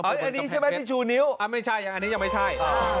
อันนี้ใช่ไหมชูนิ้ว